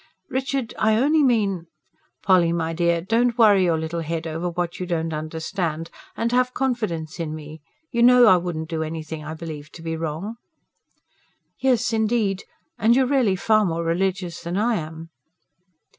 "Richard, I only mean..." "Polly, my dear, don't worry your little head over what you don't understand. And have confidence in me. You know I wouldn't do anything I believed to be wrong?" "Yes, indeed. And you are really far more religious than I am."